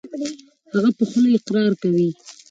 هغه په خوله اقرار کوي .